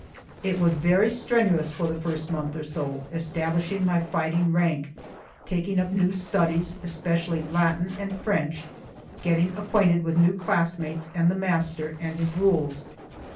It was very strenuous for the first month or so, establishing my fighting rank, taking up new studies, especially Latin and French, getting acquainted with new classmates and the master and his rules.